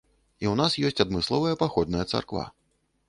І ў нас ёсць адмысловая паходная царква.